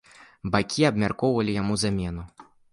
Бакі абмяркоўвалі яму замену.